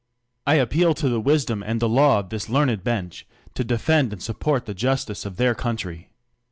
I appeal to the wisdom and the law of this learned bench, to defend and support the justice of their country.